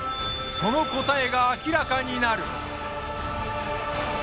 その答えが明らかになる！